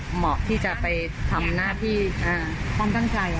เหมาะที่จะไปทำหน้าที่ความตั้งใจ